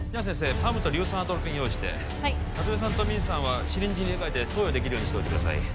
ＰＡＭと硫酸アトロピン用意してはい夏梅さんとミンさんはシリンジに入れかえて投与できるようにしておいてください